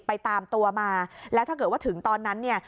ตามตัวมาแล้วถ้าเกิดว่าถึงตอนนั้นเนี่ย